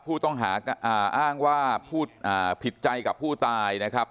ผู้ต้องหาอ้างว่าผิดใจกับผู้ตายนะครับ